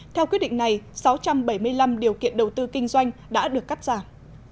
theo quyết định này sáu trăm bảy mươi năm điều kiện đầu tư kinh doanh đã được cắt giảm